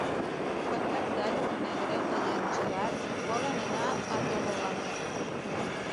Per Cap d'Any na Greta i en Gerard volen anar a Torrelameu.